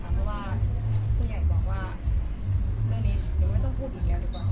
เพราะว่าผู้ใหญ่บอกว่าเรื่องนี้เดี๋ยวไม่ต้องพูดอีกแล้วดีกว่า